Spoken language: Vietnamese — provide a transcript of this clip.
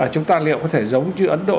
chúng ta liệu có thể giống như ấn độ